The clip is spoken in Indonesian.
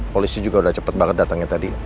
polisi juga udah cepet banget datangnya tadi